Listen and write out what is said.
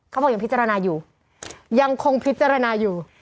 เขาบอกยังพิจารณาอยู่ยังคงพิจารณาอยู่